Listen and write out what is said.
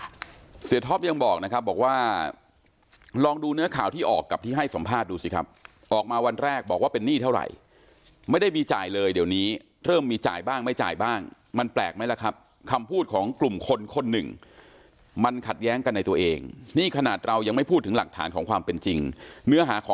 เสียท็อปยังบอกนะครับบอกว่าลองดูเนื้อข่าวที่ออกกับที่ให้สัมภาษณ์ดูสิครับออกมาวันแรกบอกว่าเป็นหนี้เท่าไหร่ไม่ได้มีจ่ายเลยเดี๋ยวนี้เริ่มมีจ่ายบ้างไม่จ่ายบ้างมันแปลกไหมล่ะครับคำพูดของกลุ่มคนคนหนึ่งมันขัดแย้งกันในตัวเองนี่ขนาดเรายังไม่พูดถึงหลักฐานของความเป็นจริงเนื้อหาของ